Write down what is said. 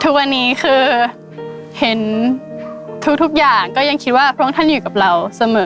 ทุกวันนี้คือเห็นทุกอย่างก็ยังคิดว่าพระองค์ท่านอยู่กับเราเสมอ